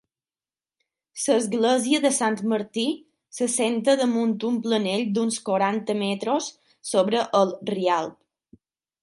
L'església de Sant Martí s'assenta damunt un planell d'uns quaranta metres sobre el Rialb.